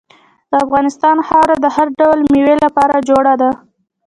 د افغانستان خاوره د هر ډول میوې لپاره جوړه ده.